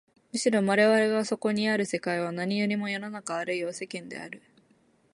むしろ我々がそこにある世界は何よりも世の中あるいは世間である。